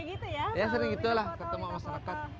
gitu ya sering gitu lah ketemu masyarakat